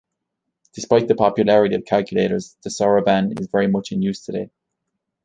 Despite the popularity of calculators, the soroban is very much in use today.